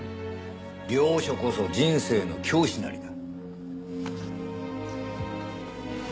良書こそ人生の教師なりだ。